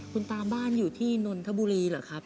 คุณตาบ้านอยู่ที่นนทบุรีเหรอครับ